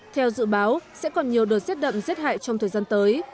theo dự báo sẽ còn nhiều đợt giết đậm giết hại trong thời gian tới